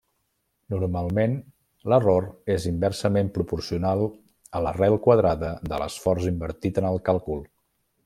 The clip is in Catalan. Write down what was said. Normalment, l'error és inversament proporcional a l'arrel quadrada de l'esforç invertit en el càlcul.